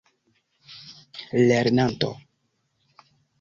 lernanto